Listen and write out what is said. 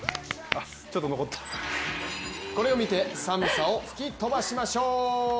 これを見て寒さを吹き飛ばしましょう。